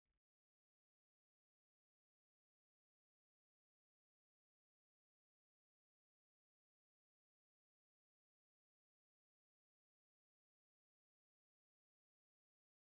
di atasmu dakika